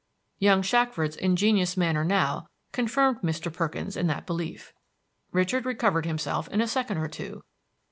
Young Shackford's ingenuous manner now confirmed Mr. Perkins in that belief. Richard recovered himself in a second or two.